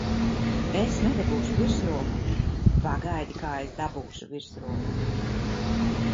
Es nedabūšu virsroku! Pagaidi, kā es dabūšu virsroku!